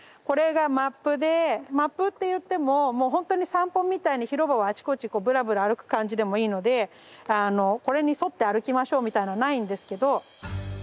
これがマップでマップって言ってももうほんとに散歩みたいに広場をあちこちぶらぶら歩く感じでもいいのでこれに沿って歩きましょうみたいなのないんですけど。